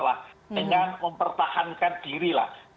dengan mempertahankan diri